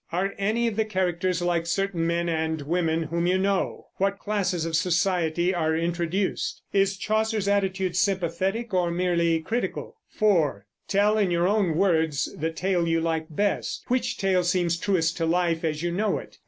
Are any of the characters like certain men and women whom you know? What classes of society are introduced? Is Chaucer's attitude sympathetic or merely critical? 4. Tell in your own words the tale you like best. Which tale seems truest to life as you know it?